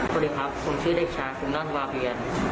สวัสดีครับผมชื่อเด็กชายปิงวังสวัสดีครับ